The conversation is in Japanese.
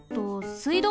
水道？